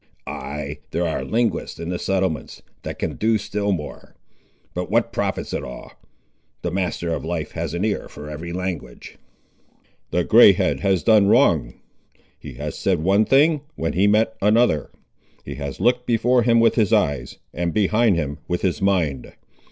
"Ay, there are linguists in the settlements that can do still more. But what profits it all? The Master of Life has an ear for every language!" "The grey head has done wrong. He has said one thing when he meant another. He has looked before him with his eyes, and behind him with his mind.